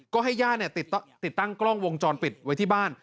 ก็ให้ญาติติดตั้งกล้องวงจรปิดไว้ที่บ้าน